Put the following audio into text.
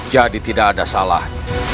jadi tidak ada salah